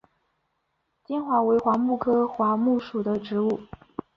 坚桦为桦木科桦木属的植物。